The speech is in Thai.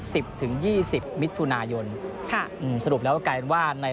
สิบถึงยี่สิบมิถุนายนค่ะอืมสรุปแล้วกลายเป็นว่าใน